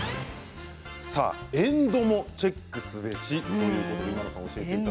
エンドもチェックすべしということです。